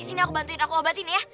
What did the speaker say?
di sini aku bantuin aku obatin ya